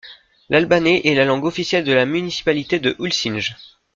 L'albanais est la langue officielle de la municipalité de Ulcinj.